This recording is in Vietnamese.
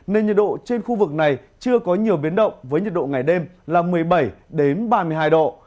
nên nhiệt độ trên khu vực này chưa có nhiều biến động với nhiệt độ ngày đêm là một mươi bảy ba mươi hai độ